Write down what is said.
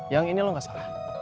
yang ini lo gak salah